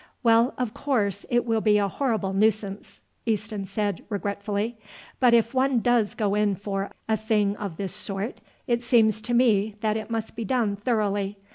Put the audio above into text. "Well, of course it will be a horrible nuisance," Easton said regretfully; "but if one does go in for a thing of this sort it seems to me that it must be done thoroughly.